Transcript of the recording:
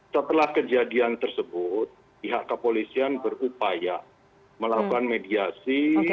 setelah kejadian tersebut pihak kepolisian berupaya melakukan mediasi